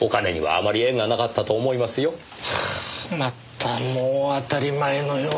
ああまたもう当たり前のように。